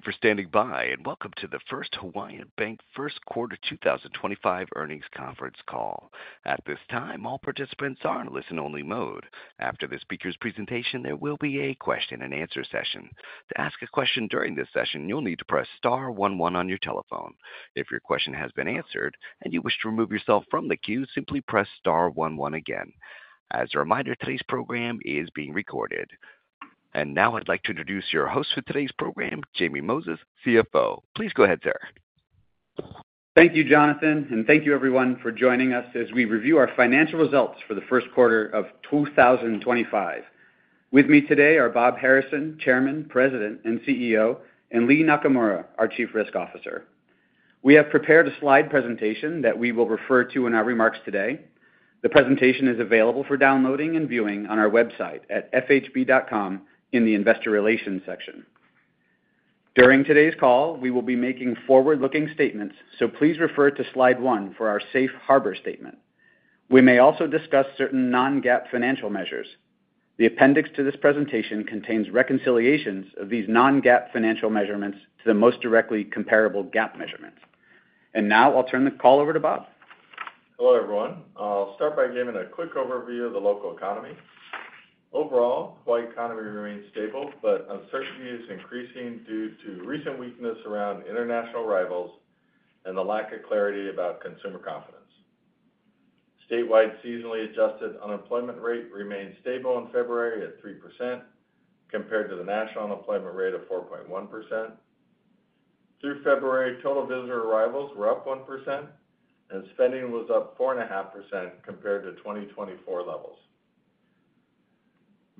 Thank you for standing by, and welcome to the First Hawaiian Bank fiirst quarter 2025 earnings conference call. At this time, all participants are in listen-only mode. After the speaker's presentation, there will be a question-and-answer session. To ask a question during this session, you'll need to press star one one on your telephone. If your question has been answered and you wish to remove yourself from the queue, simply press star one one again. As a reminder, today's program is being recorded. Now I'd like to introduce your host for today's program, Jamie Moses, CFO. Please go ahead, sir. Thank you, Jonathan, and thank you, everyone, for joining us as we review our financial results for the first quarter of 2025. With me today are Bob Harrison, Chairman, President, and CEO, and Lea Nakamura, o.r Chief Risk Officer. We have prepared a slide presentation that we will refer to in our remarks today. The presentation is available for downloading and viewing on our website at fhb.com in the investor relations section. During today's call, we will be making forward-looking statements, so please refer to slide one for our Safe Harbor statement. We may also discuss certain non-GAAP financial measures. The appendix to this presentation contains reconciliations of these non-GAAP financial measurements to the most directly comparable GAAP measurements. I will now turn the call over to Bob. Hello, everyone. I'll start by giving a quick overview of the local economy. Overall, the Hawaiian economy remains stable, but uncertainty is increasing due to recent weakness around international arrivals and the lack of clarity about consumer confidence. Statewide, the seasonally adjusted unemployment rate remained stable in February at 3% compared to the national unemployment rate of 4.1%. Through February, total visitor arrivals were up 1%, and spending was up 4.5% compared to 2024 levels.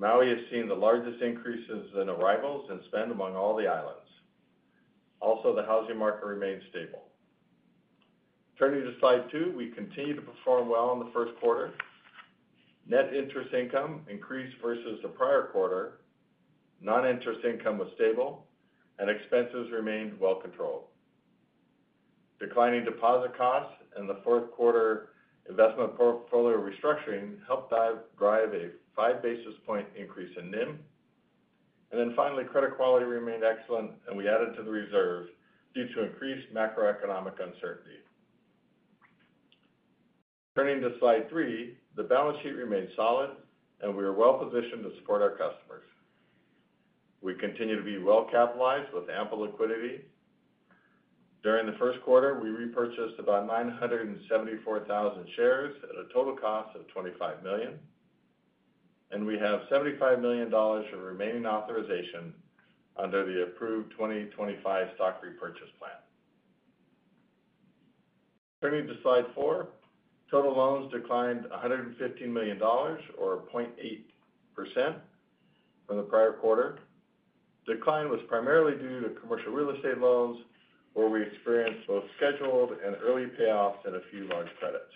Maui has seen the largest increases in arrivals and spend among all the islands. Also, the housing market remained stable. Turning to slide two, we continue to perform well in the first quarter. Net interest income increased versus the prior quarter. Non-interest income was stable, and expenses remained well controlled. Declining deposit costs and the fourth quarter investment portfolio restructuring helped drive a five basis point increase in NIM. Finally, credit quality remained excellent, and we added to the reserve due to increased macroeconomic uncertainty. Turning to slide three, the balance sheet remained solid, and we are well positioned to support our customers. We continue to be well capitalized with ample liquidity. During the first quarter, we repurchased about 974,000 shares at a total cost of $25 million, and we have $75 million of remaining authorization under the approved 2025 stock repurchase plan. Turning to slide four, total loans declined $115 million, or 0.8%, from the prior quarter. Decline was primarily due to commercial real estate loans, where we experienced both scheduled and early payoffs in a few large credits.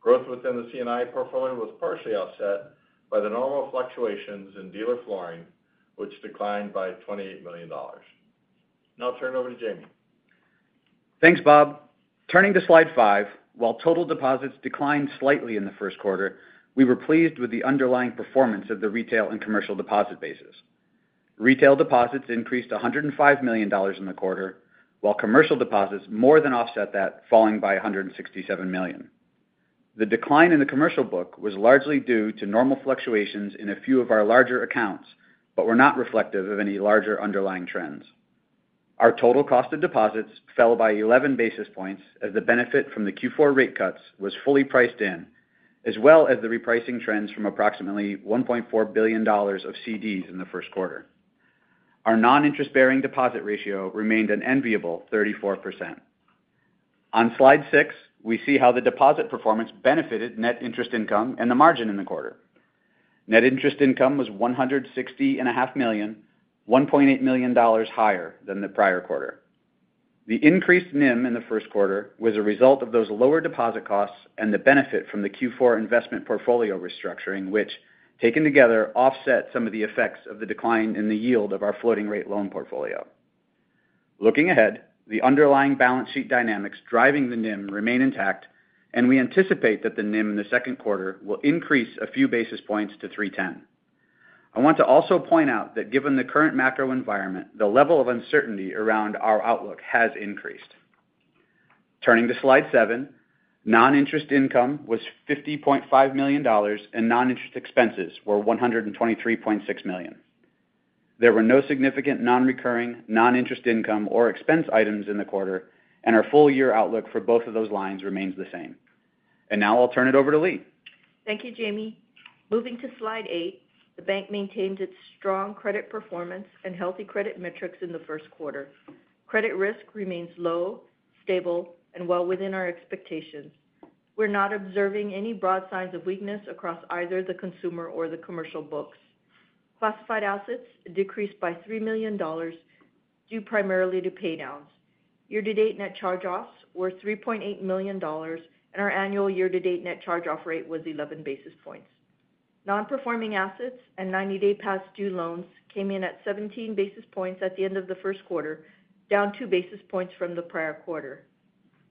Growth within the C&I portfolio was partially offset by the normal fluctuations in dealer flooring, which declined by $28 million. Now I'll turn it over to Jamie. Thanks, Bob. Turning to slide five, while total deposits declined slightly in the first quarter, we were pleased with the underlying performance of the retail and commercial deposit bases. Retail deposits increased $105 million in the quarter, while commercial deposits more than offset that, falling by $167 million. The decline in the commercial book was largely due to normal fluctuations in a few of our larger accounts but were not reflective of any larger underlying trends. Our total cost of deposits fell by 11 basis points as the benefit from the Q4 rate cuts was fully priced in, as well as the repricing trends from approximately $1.4 billion of CDs in the first quarter. Our non-interest-bearing deposit ratio remained an enviable 34%. On slide six, we see how the deposit performance benefited net interest income and the margin in the quarter. Net interest income was $160.5 million, $1.8 million higher than the prior quarter. The increased NIM in the first quarter was a result of those lower deposit costs and the benefit from the Q4 investment portfolio restructuring, which, taken together, offset some of the effects of the decline in the yield of our floating-rate loan portfolio. Looking ahead, the underlying balance sheet dynamics driving the NIM remain intact, and we anticipate that the NIM in the second quarter will increase a few basis points to 310. I want to also point out that given the current macro environment, the level of uncertainty around our outlook has increased. Turning to slide seven, non-interest income was $50.5 million, and non-interest expenses were $123.6 million. There were no significant non-recurring, non-interest income, or expense items in the quarter, and our full-year outlook for both of those lines remains the same. I'll turn it over to Lea. Thank you, Jamie. Moving to slide eight, the bank maintained its strong credit performance and healthy credit metrics in the first quarter. Credit risk remains low, stable, and well within our expectations. We're not observing any broad signs of weakness across either the consumer or the commercial books. Classified assets decreased by $3 million due primarily to paydowns. Year-to-date net charge-offs were $3.8 million, and our annual year-to-date net charge-off rate was 11 basis points. Non-performing assets and 90-day past due loans came in at 17 basis points at the end of the first quarter, down two basis points from the prior quarter.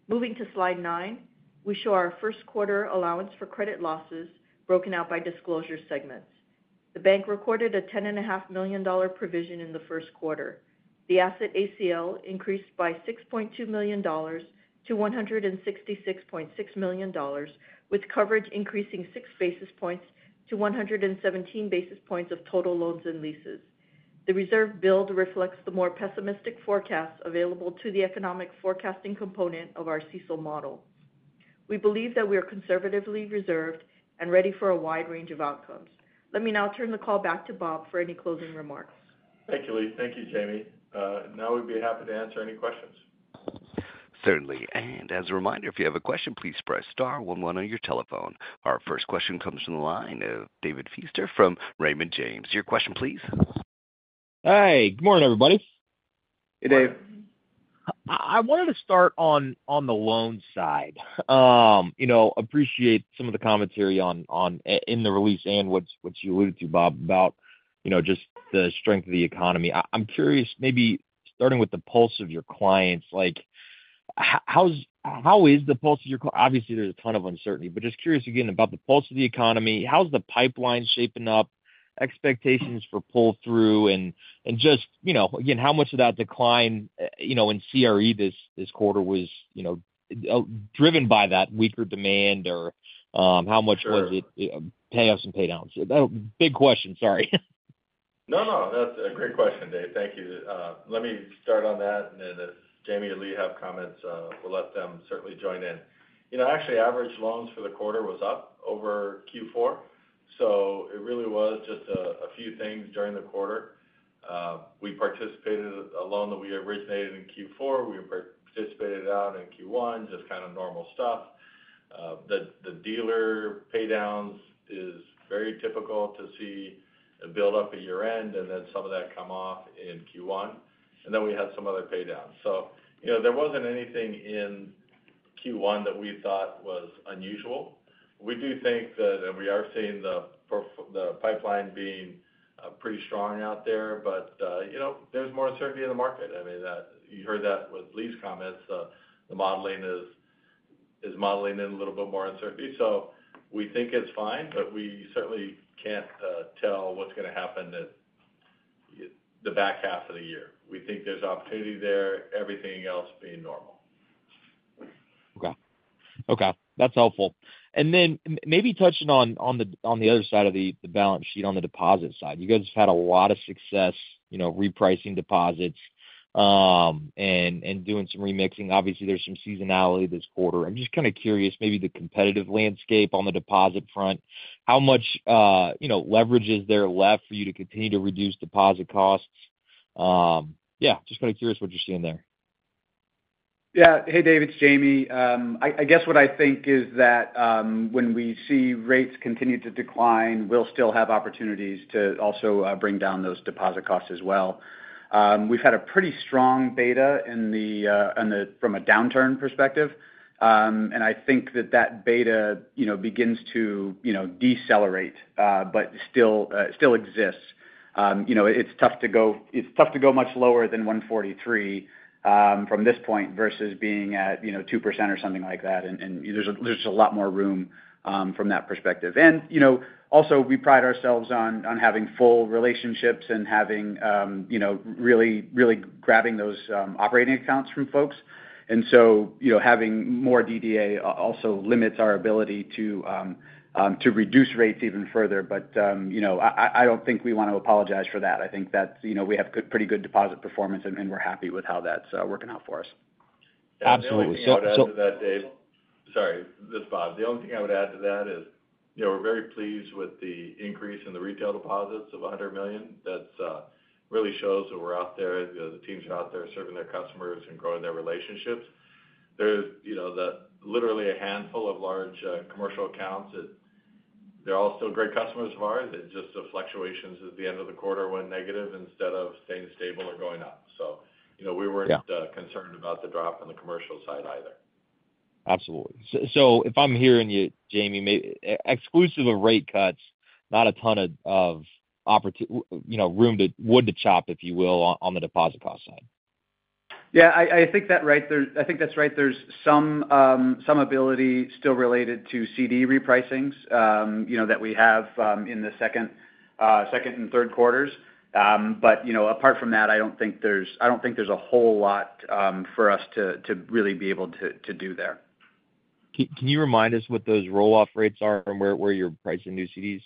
Moving to slide nine, we show our first quarter allowance for credit losses broken out by disclosure segments. The bank recorded a $10.5 million provision in the first quarter. The asset ACL increased by $6.2 million - $166.6 million, with coverage increasing six basis points to 117 basis points of total loans and leases. The reserve build reflects the more pessimistic forecasts available to the economic forecasting component of our CECL model. We believe that we are conservatively reserved and ready for a wide range of outcomes. Let me now turn the call back to Bob for any closing remarks. Thank you, Lea. Thank you, Jamie. Now we'd be happy to answer any questions. Certainly. As a reminder, if you have a question, please press star one one on your telephone. Our first question comes from the line of David Feaster from Raymond James. Your question, please. Hey, good morning, everybody. Hey, Dave. I wanted to start on the loan side. I appreciate some of the commentary in the release and what you alluded to, Bob, about just the strength of the economy. I'm curious, maybe starting with the pulse of your clients, how is the pulse of your clients? Obviously, there's a ton of uncertainty, but just curious again about the pulse of the economy. How's the pipeline shaping up? Expectations for pull-through and just, again, how much of that decline in CRE this quarter was driven by that weaker demand, or how much was it payoffs and paydowns? Big question, sorry. No, no. That's a great question, Dave. Thank you. Let me start on that, and then if Jamie or Lea have comments, we'll let them certainly join in. Actually, average loans for the quarter was up over Q4, so it really was just a few things during the quarter. We participated in a loan that we originated in Q4. We participated out in Q1, just kind of normal stuff. The dealer paydowns is very typical to see build up at year-end, and then some of that come off in Q1. We had some other paydowns. There wasn't anything in Q1 that we thought was unusual. We do think that, and we are seeing the pipeline being pretty strong out there, but there's more uncertainty in the market. I mean, you heard that with Lea's comments. The modeling is modeling in a little bit more uncertainty. We think it's fine, but we certainly can't tell what's going to happen the back half of the year. We think there's opportunity there, everything else being normal. Okay. Okay. That's helpful. Maybe touching on the other side of the balance sheet on the deposit side. You guys have had a lot of success repricing deposits and doing some remixing. Obviously, there's some seasonality this quarter. I'm just kind of curious, maybe the competitive landscape on the deposit front, how much leverage is there left for you to continue to reduce deposit costs? Yeah, just kind of curious what you're seeing there. Yeah. Hey, David, it's Jamie. I guess what I think is that when we see rates continue to decline, we'll still have opportunities to also bring down those deposit costs as well. We've had a pretty strong beta from a downturn perspective, and I think that that beta begins to decelerate but still exists. It's tough to go much lower than 143 from this point versus being at 2% or something like that. There is just a lot more room from that perspective. We pride ourselves on having full relationships and really grabbing those operating accounts from folks. Having more DDA also limits our ability to reduce rates even further. I don't think we want to apologize for that. I think that we have pretty good deposit performance, and we're happy with how that's working out for us. Absolutely. I would add to that, Dave—sorry, this is Bob. The only thing I would add to that is we're very pleased with the increase in the retail deposits of $100 million. That really shows that we're out there. The teams are out there serving their customers and growing their relationships. There's literally a handful of large commercial accounts that they're all still great customers of ours. It's just the fluctuations at the end of the quarter went negative instead of staying stable or going up. We weren't concerned about the drop on the commercial side either. Absolutely. If I'm hearing you, Jamie, exclusive of rate cuts, not a ton of wood to chop, if you will, on the deposit cost side. Yeah. I think that's right. I think that's right. There's some ability still related to CD repricings that we have in the second and third quarters. Apart from that, I don't think there's a whole lot for us to really be able to do there. Can you remind us what those roll-off rates are and where you're pricing new CDs?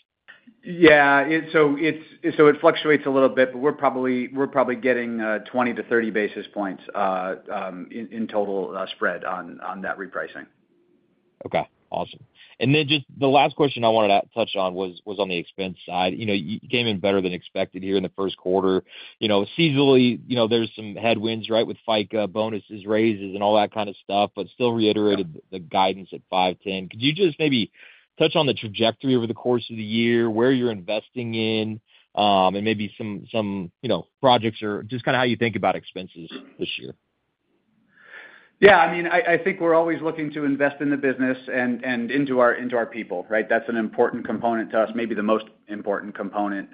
Yeah. It fluctuates a little bit, but we're probably getting 20-30 basis points in total spread on that repricing. Okay. Awesome. Just the last question I wanted to touch on was on the expense side. You came in better than expected here in the first quarter. Seasonally, there are some headwinds, right, with FICA, bonuses, raises, and all that kind of stuff, but still reiterated the guidance at $510. Could you just maybe touch on the trajectory over the course of the year, where you're investing in, and maybe some projects or just kind of how you think about expenses this year? Yeah. I mean, I think we're always looking to invest in the business and into our people, right? That's an important component to us, maybe the most important component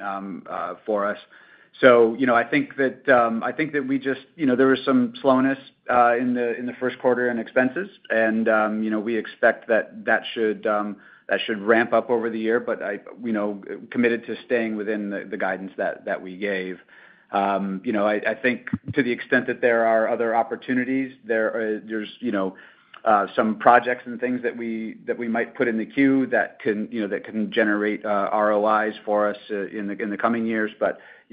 for us. I think that we just, there was some slowness in the first quarter in expenses, and we expect that that should ramp up over the year, but committed to staying within the guidance that we gave. I think to the extent that there are other opportunities, there's some projects and things that we might put in the queue that can generate ROIs for us in the coming years.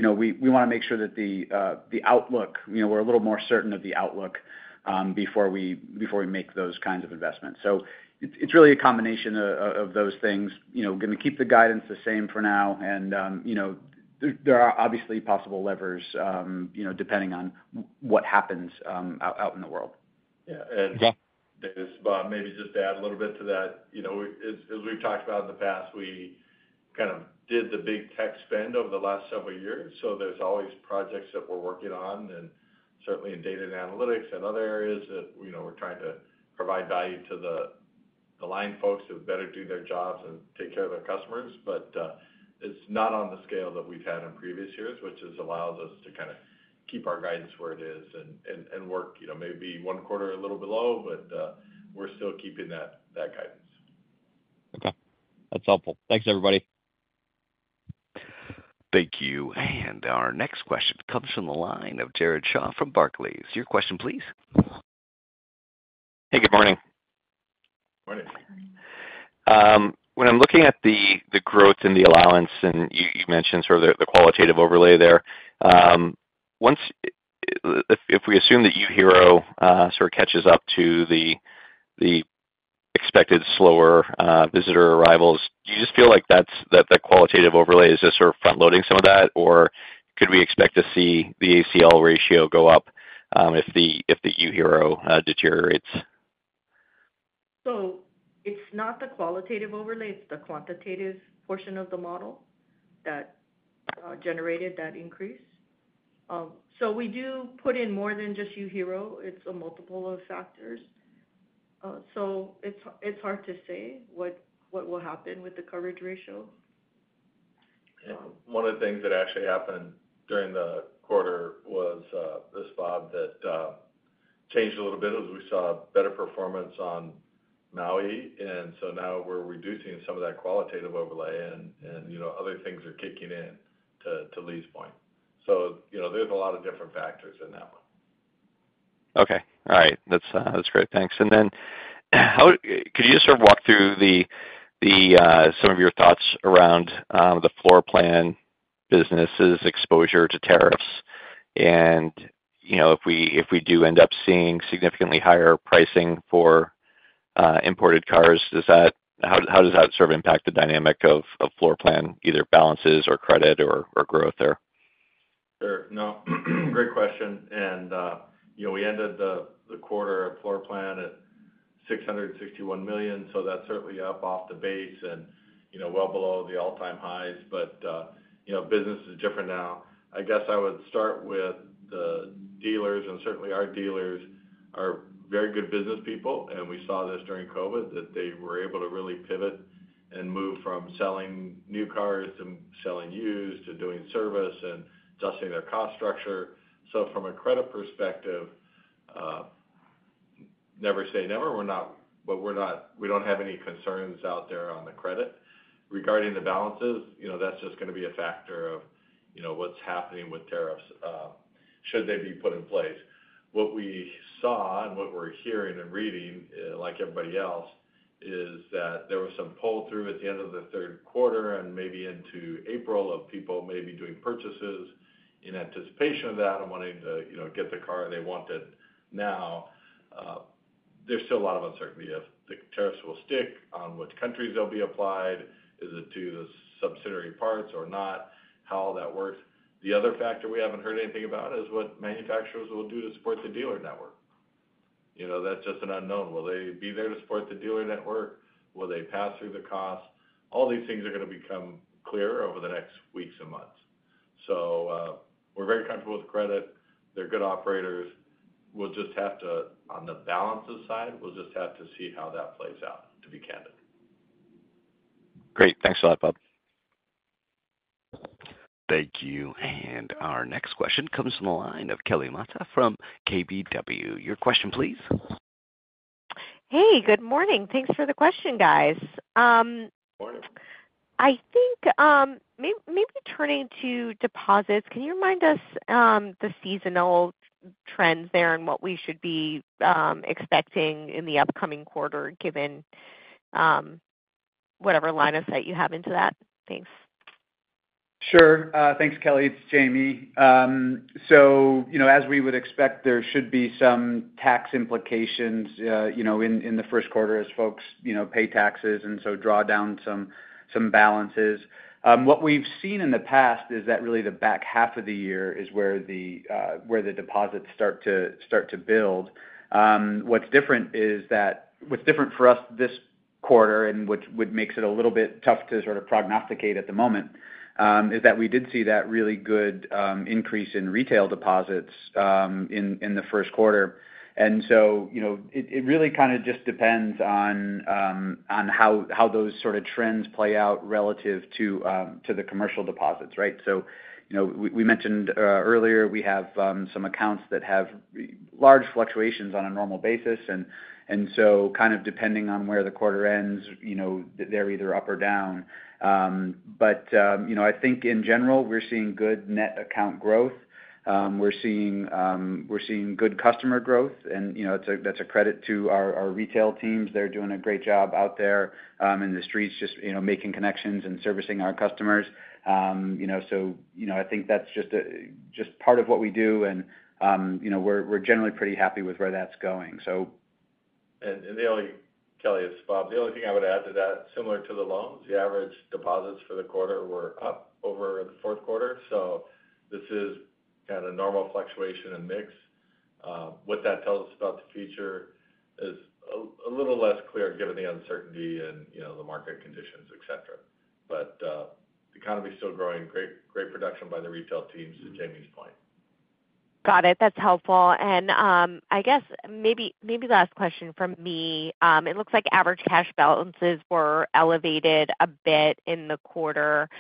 We want to make sure that the outlook, we're a little more certain of the outlook before we make those kinds of investments. It's really a combination of those things. We're going to keep the guidance the same for now, and there are obviously possible levers depending on what happens out in the world. Yeah. Dave, maybe just to add a little bit to that, as we've talked about in the past, we kind of did the big tech spend over the last several years. There are always projects that we're working on, and certainly in data and analytics and other areas that we're trying to provide value to the line folks to better do their jobs and take care of their customers. It is not on the scale that we've had in previous years, which allows us to kind of keep our guidance where it is and work maybe one quarter a little bit low, but we're still keeping that guidance. Okay. That's helpful. Thanks, everybody. Thank you. Our next question comes from the line of Jared Shaw from Barclays. Your question, please. Hey, good morning. Morning. Morning. When I'm looking at the growth in the allowance, and you mentioned sort of the qualitative overlay there, if we assume that UHERO sort of catches up to the expected slower visitor arrivals, do you just feel like that qualitative overlay is just sort of front-loading some of that, or could we expect to see the ACL ratio go up if the UHERO deteriorates? It is not the qualitative overlay. It is the quantitative portion of the model that generated that increase. We do put in more than just UHERO. It is a multiple of factors. It is hard to say what will happen with the coverage ratio. One of the things that actually happened during the quarter was this, Bob, that changed a little bit as we saw better performance on Maui. Now we're reducing some of that qualitative overlay, and other things are kicking in to Lea's point. There are a lot of different factors in that one. Okay. All right. That's great. Thanks. Could you just sort of walk through some of your thoughts around the floor plan business's exposure to tariffs? If we do end up seeing significantly higher pricing for imported cars, how does that sort of impact the dynamic of floor plan, either balances or credit or growth there? Sure. Great question. We ended the quarter at floor plan at $661 million. That is certainly up off the base and well below the all-time highs. Business is different now. I would start with the dealers, and certainly our dealers are very good business people. We saw this during COVID that they were able to really pivot and move from selling new cars to selling used to doing service and adjusting their cost structure. From a credit perspective, never say never, but we do not have any concerns out there on the credit. Regarding the balances, that is just going to be a factor of what is happening with tariffs should they be put in place. What we saw and what we're hearing and reading, like everybody else, is that there was some pull-through at the end of the third quarter and maybe into April of people maybe doing purchases in anticipation of that and wanting to get the car they wanted now. There's still a lot of uncertainty as to if the tariffs will stick on which countries they'll be applied, is it to the subsidiary parts or not, how all that works. The other factor we haven't heard anything about is what manufacturers will do to support the dealer network. That's just an unknown. Will they be there to support the dealer network? Will they pass through the costs? All these things are going to become clearer over the next weeks and months. We are very comfortable with credit. They're good operators. We'll just have to, on the balances side, we'll just have to see how that plays out, to be candid. Great. Thanks a lot, Bob. Thank you. Our next question comes from the line of Kelly Motta from KBW. Your question, please. Hey, good morning. Thanks for the question, guys. Morning. I think maybe turning to deposits, can you remind us of the seasonal trends there and what we should be expecting in the upcoming quarter given whatever line of sight you have into that? Thanks. Sure. Thanks, Kelly. It's Jamie. As we would expect, there should be some tax implications in the first quarter as folks pay taxes and draw down some balances. What we've seen in the past is that really the back half of the year is where the deposits start to build. What's different for us this quarter, and which makes it a little bit tough to sort of prognosticate at the moment, is that we did see that really good increase in retail deposits in the first quarter. It really kind of just depends on how those sort of trends play out relative to the commercial deposits, right? We mentioned earlier we have some accounts that have large fluctuations on a normal basis. Kind of depending on where the quarter ends, they're either up or down. I think in general, we're seeing good net account growth. We're seeing good customer growth. And that's a credit to our retail teams. They're doing a great job out there in the streets just making connections and servicing our customers. I think that's just part of what we do. We're generally pretty happy with where that's going. Kelly, this is Bob. The only thing I would add to that, similar to the loans, the average deposits for the quarter were up over the fourth quarter. This is kind of a normal fluctuation and mix. What that tells us about the future is a little less clear given the uncertainty and the market conditions, etc. The economy's still growing. Great production by the retail teams, to Jamie's point. Got it. That's helpful. I guess maybe last question from me. It looks like average cash balances were elevated a bit in the quarter.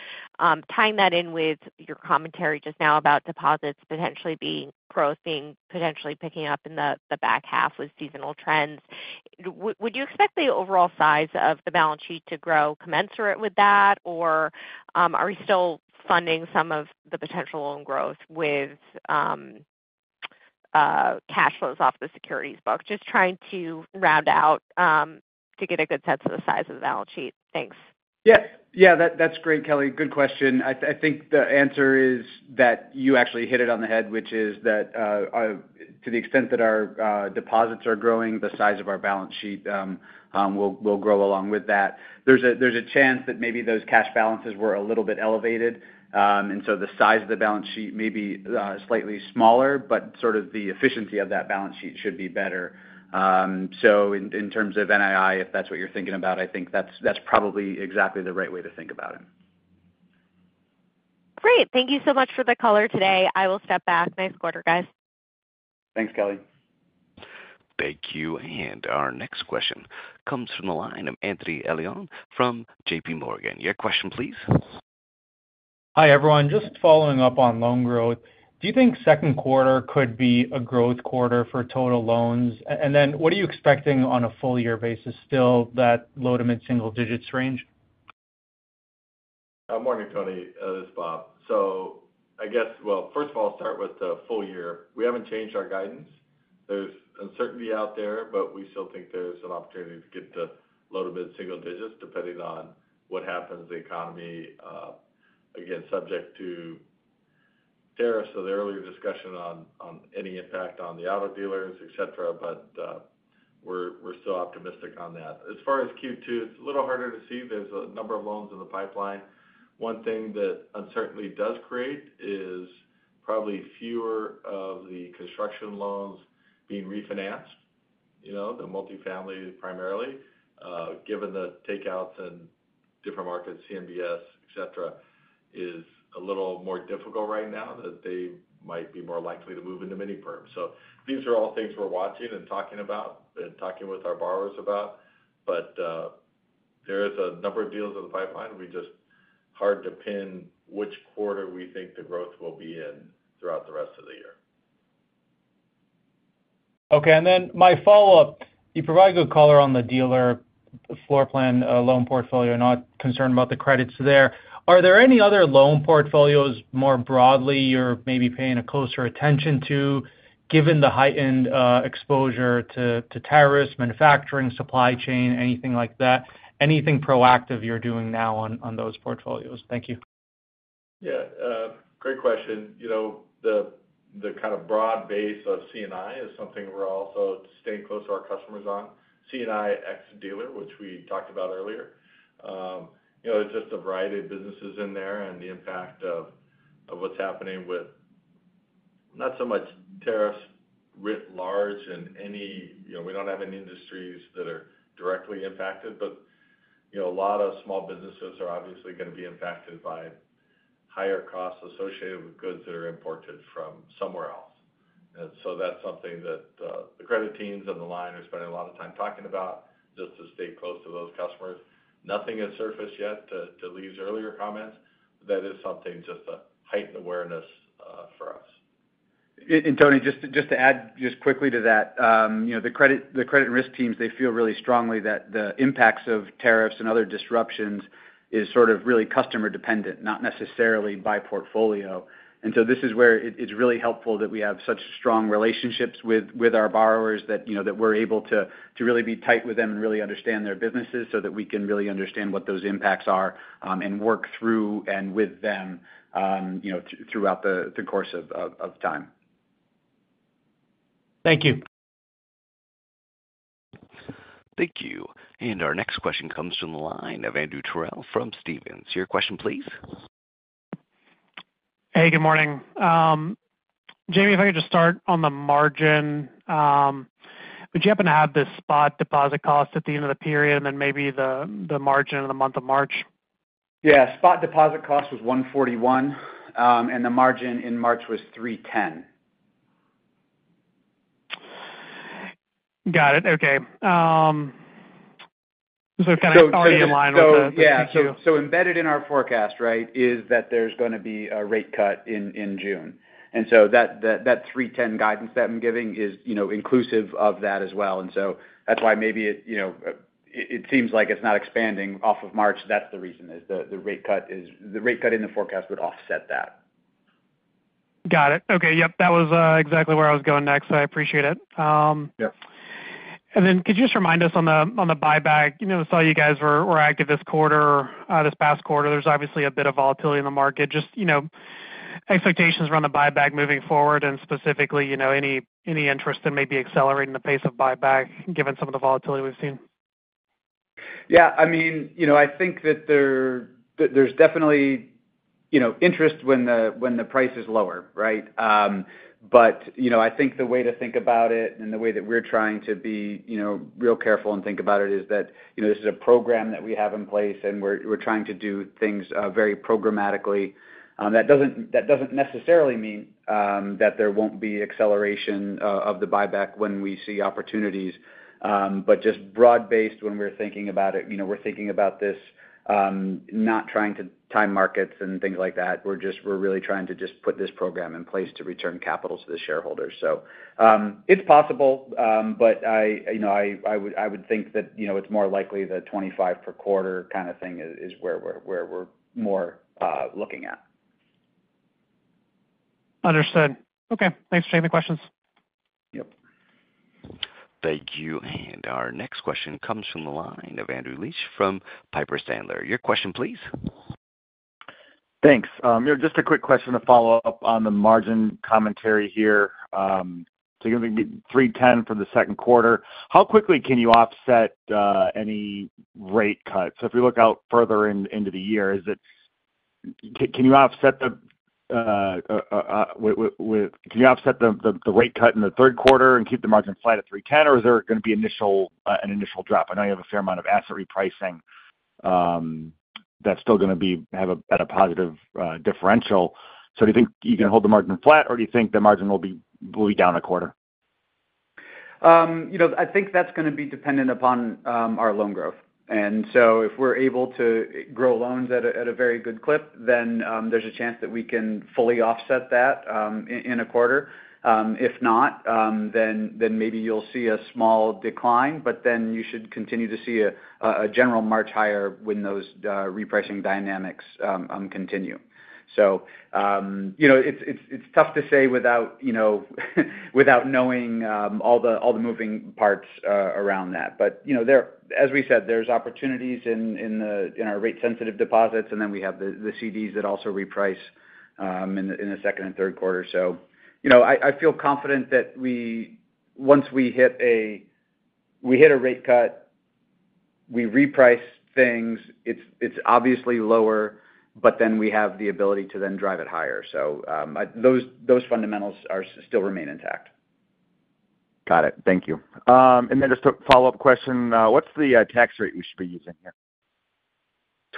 Tying that in with your commentary just now about deposits potentially being growth being potentially picking up in the back half with seasonal trends, would you expect the overall size of the balance sheet to grow commensurate with that, or are we still funding some of the potential loan growth with cash flows off the securities book? Just trying to round out to get a good sense of the size of the balance sheet. Thanks. Yeah. Yeah. That's great, Kelly. Good question. I think the answer is that you actually hit it on the head, which is that to the extent that our deposits are growing, the size of our balance sheet will grow along with that. There's a chance that maybe those cash balances were a little bit elevated. The size of the balance sheet may be slightly smaller, but sort of the efficiency of that balance sheet should be better. In terms of NII, if that's what you're thinking about, I think that's probably exactly the right way to think about it. Great. Thank you so much for the color today. I will step back. Nice quarter, guys. Thanks, Kelly. Thank you. Our next question comes from the line of Anthony Elian from JPMorgan. Your question, please. Hi everyone. Just following up on loan growth. Do you think second quarter could be a growth quarter for total loans? What are you expecting on a full-year basis still, that low to mid-single digits range Morning, Tony. This is Bob. First of all, I'll start with the full year. We haven't changed our guidance. There's uncertainty out there, but we still think there's an opportunity to get the low to mid-single digits depending on what happens in the economy, again, subject to tariffs or the earlier discussion on any impact on the auto dealers, etc. We're still optimistic on that. As far as Q2, it's a little harder to see. There's a number of loans in the pipeline. One thing that uncertainty does create is probably fewer of the construction loans being refinanced, the multifamily primarily, given the takeouts and different markets, CMBS, etc., is a little more difficult right now that they might be more likely to move into mini-perm. These are all things we're watching and talking about and talking with our borrowers about. There is a number of deals in the pipeline. We just hard to pin which quarter we think the growth will be in throughout the rest of the year. Okay. My follow-up, you provide good color on the dealer floor plan loan portfolio, not concerned about the credits there. Are there any other loan portfolios more broadly you're maybe paying closer attention to given the heightened exposure to tariffs, manufacturing, supply chain, anything like that? Anything proactive you're doing now on those portfolios? Thank you. Yeah. Great question. The kind of broad base of C&I is something we're also staying close to our customers on, C&I ex dealer, which we talked about earlier. There's just a variety of businesses in there and the impact of what's happening with not so much tariffs writ large and we don't have any industries that are directly impacted, but a lot of small businesses are obviously going to be impacted by higher costs associated with goods that are imported from somewhere else. That is something that the credit teams on the line are spending a lot of time talking about just to stay close to those customers. Nothing has surfaced yet to Lea's earlier comments. That is something just a heightened awareness for us. Tony, just to add quickly to that, the credit risk teams feel really strongly that the impacts of tariffs and other disruptions are sort of really customer-dependent, not necessarily by portfolio. This is where it is really helpful that we have such strong relationships with our borrowers that we are able to really be tight with them and really understand their businesses so that we can really understand what those impacts are and work through and with them throughout the course of time. Thank you. Thank you. Our next question comes from the line of Andrew Terrell from Stephens. Your question, please. Hey, good morning. Jamie, if I could just start on the margin. Would you happen to have the spot deposit cost at the end of the period and then maybe the margin in the month of March? Yeah. Spot deposit cost was 141, and the margin in March was 310. Got it. Okay. Kind of already in line with that. Embedded in our forecast, right, is that there's going to be a rate cut in June. That 310 guidance that I'm giving is inclusive of that as well. That's why maybe it seems like it's not expanding off of March. The reason is the rate cut in the forecast would offset that. Got it. Okay. Yep. That was exactly where I was going next. I appreciate it. Could you just remind us on the buyback? We saw you guys were active this quarter, this past quarter. There's obviously a bit of volatility in the market. Just expectations around the buyback moving forward and specifically any interest in maybe accelerating the pace of buyback given some of the volatility we've seen. Yeah. I mean, I think that there's definitely interest when the price is lower, right? I think the way to think about it and the way that we're trying to be real careful and think about it is that this is a program that we have in place, and we're trying to do things very programmatically. That does not necessarily mean that there will not be acceleration of the buyback when we see opportunities, but just broad-based when we're thinking about it. We're thinking about this not trying to time markets and things like that. We're really trying to just put this program in place to return capital to the shareholders. It is possible, but I would think that it is more likely the 25 per quarter kind of thing is where we're more looking at. Understood. Okay. Thanks for taking the questions. Yep. Thank you. Our next question comes from the line of Andrew Liesch from Piper Sandler. Your question, please. Thanks. Just a quick question to follow up on the margin commentary here. You are going to be 310 for the second quarter. How quickly can you offset any rate cuts? If we look out further into the year, can you offset the rate cut in the third quarter and keep the margin flat at 310, or is there going to be an initial drop? I know you have a fair amount of asset repricing that is still going to have a positive differential. Do you think you can hold the margin flat, or do you think the margin will be down a quarter? I think that's going to be dependent upon our loan growth. If we're able to grow loans at a very good clip, then there's a chance that we can fully offset that in a quarter. If not, maybe you'll see a small decline, but you should continue to see a general march higher when those repricing dynamics continue. It's tough to say without knowing all the moving parts around that. As we said, there are opportunities in our rate-sensitive deposits, and we have the CDs that also reprice in the second and third quarter. I feel confident that once we hit a rate cut, we reprice things, it's obviously lower, but we have the ability to then drive it higher. Those fundamentals still remain intact. Got it. Thank you. Just a follow-up question. What's the tax rate we should be using here?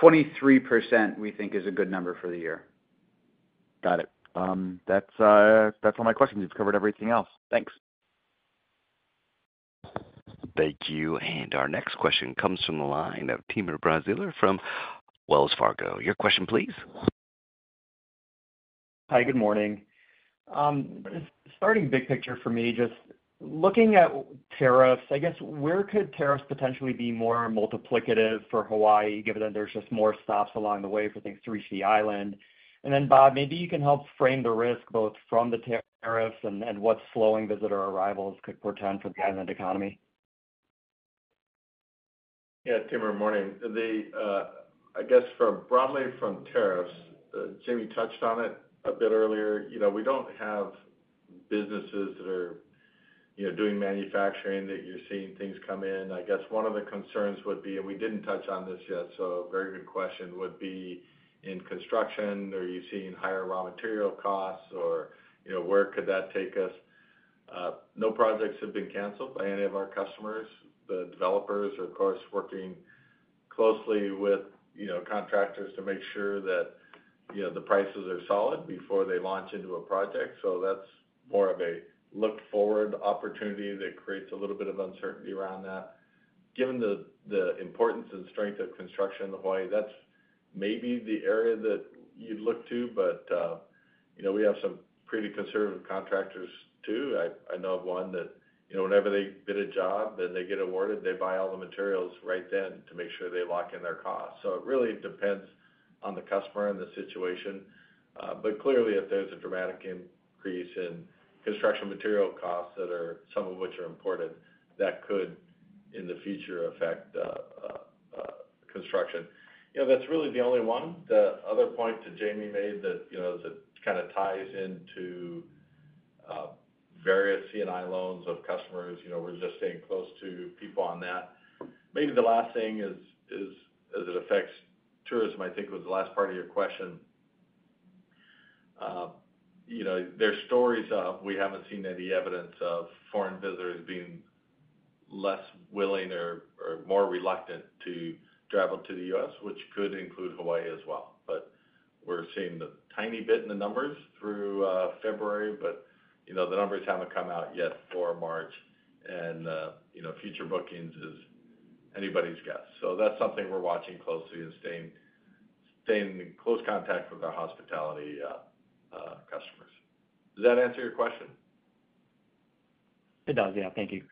23% we think is a good number for the year. Got it. That's all my questions. You've covered everything else. Thanks. Thank you. Our next question comes from the line of Timur Braziler from Wells Fargo. Your question, please. Hi, good morning. Starting big picture for me, just looking at tariffs, I guess where could tariffs potentially be more multiplicative for Hawaii given that there's just more stops along the way for things to the island? And then Bob, maybe you can help frame the risk both from the tariffs and what slowing visitor arrivals could portend for the island economy. Yeah. Tim, good morning. I guess broadly from tariffs, Jamie touched on it a bit earlier. We don't have businesses that are doing manufacturing that you're seeing things come in. I guess one of the concerns would be, and we didn't touch on this yet, so very good question, would be in construction, are you seeing higher raw material costs, or where could that take us? No projects have been canceled by any of our customers. The developers are, of course, working closely with contractors to make sure that the prices are solid before they launch into a project. That is more of a look-forward opportunity that creates a little bit of uncertainty around that. Given the importance and strength of construction in Hawaii, that is maybe the area that you'd look to, but we have some pretty conservative contractors too. I know of one that whenever they bid a job, then they get awarded, they buy all the materials right then to make sure they lock in their costs. It really depends on the customer and the situation. Clearly, if there's a dramatic increase in construction material costs that are some of which are imported, that could in the future affect construction. That's really the only one. The other point that Jamie made that kind of ties into various C&I loans of customers, we're just staying close to people on that. Maybe the last thing is as it affects tourism, I think was the last part of your question. There's stories of we haven't seen any evidence of foreign visitors being less willing or more reluctant to travel to the U.S., which could include Hawaii as well. We're seeing a tiny bit in the numbers through February, but the numbers haven't come out yet for March. Future bookings is anybody's guess. That's something we're watching closely and staying in close contact with our hospitality customers. Does that answer your question? It does. Yeah. Thank you.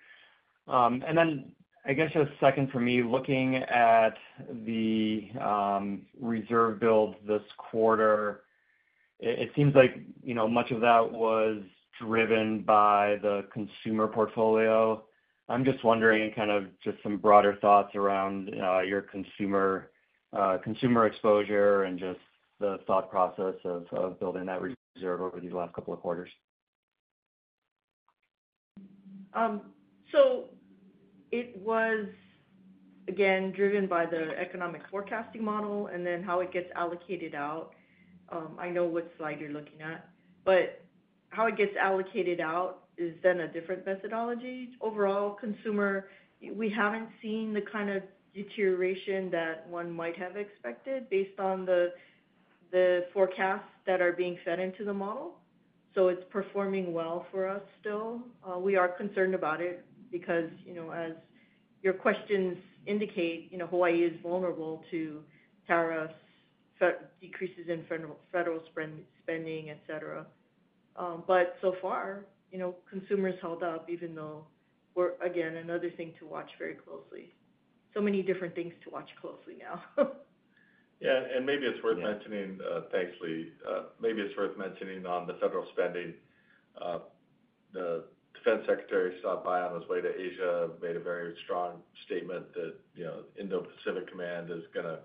I guess a second for me, looking at the reserve builds this quarter, it seems like much of that was driven by the consumer portfolio. I'm just wondering kind of just some broader thoughts around your consumer exposure and just the thought process of building that reserve over these last couple of quarters. It was, again, driven by the economic forecasting model and then how it gets allocated out. I know what slide you're looking at, but how it gets allocated out is then a different methodology. Overall, consumer, we haven't seen the kind of deterioration that one might have expected based on the forecasts that are being fed into the model. It's performing well for us still. We are concerned about it because as your questions indicate, Hawaii is vulnerable to tariffs, decreases in federal spending, etc. So far, consumers held up even though we're, again, another thing to watch very closely. So many different things to watch closely now. Yeah. Maybe it's worth mentioning, thanks, Lea. Maybe it's worth mentioning on the federal spending, the Defense Secretary stopped by on his way to Asia, made a very strong statement that Indo-Pacific Command is going to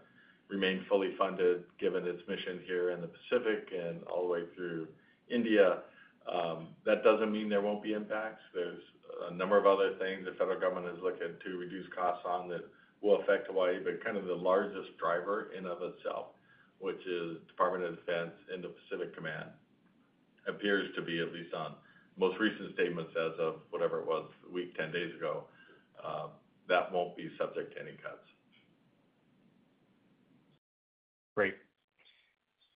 remain fully funded given its mission here in the Pacific and all the way through India. That does not mean there will not be impacts. There are a number of other things the federal government is looking to reduce costs on that will affect Hawaii, but kind of the largest driver in and of itself, which is Department of Defense, Indo-Pacific Command, appears to be at least on most recent statements as of whatever it was a week, 10 days ago, that will not be subject to any cuts. Great.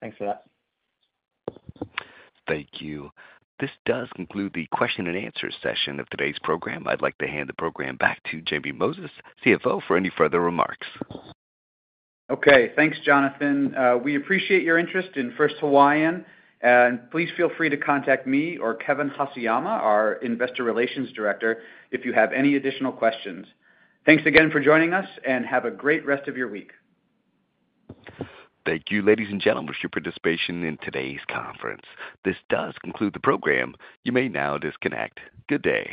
Thanks for that. Thank you. This does conclude the question and answer session of today's program. I'd like to hand the program back to Jamie Moses, CFO, for any further remarks. Okay. Thanks, Jonathan. We appreciate your interest in First Hawaiian. Please feel free to contact me or Kevin Hasayama, our Investor Relations Director, if you have any additional questions. Thanks again for joining us, and have a great rest of your week. Thank you, ladies and gentlemen, for your participation in today's conference. This does conclude the program. You may now disconnect. Good day.